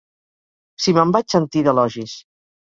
Si me'n vaig sentir, d'elogis!